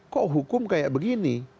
kok hukum kayak begini